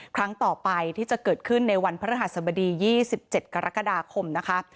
ครั้งต่อไปที่จะเกิดขึ้นในวันพระฤหัสบดี๒๗กรกฎาคมนะคะ